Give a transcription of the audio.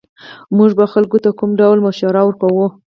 موږ به خلکو ته کوم ډول مشوره ورکوو